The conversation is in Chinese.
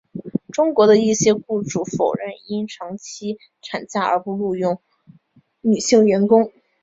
中国的一些雇主否认因长期产假而不录用女性员工。